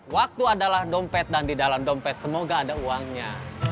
waktu adalah dompet dan di dalam dompet semoga ada uangnya